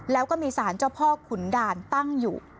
แล้วก็มีสารเจ้าพ่อขุนด่านตั้งอยู่